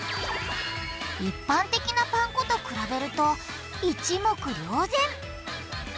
一般的なパン粉と比べると一目瞭然。